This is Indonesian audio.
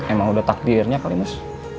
emang sudah takdirnya kali mus